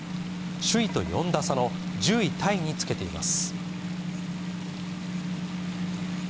首位と４打差の１０位タイにつけています。